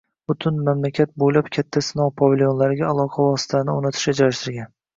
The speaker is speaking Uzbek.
Butun mamlakat bo'ylab katta sinov pavilonlariga aloqa moslamalarini o'rnatish rejalashtirilgan